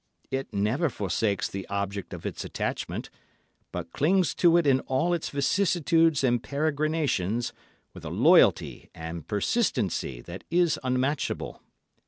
It never forsakes the object of its attachment, but clings to it in all its vicissitudes and peregrinations with a loyalty and persistency that is unmatchable.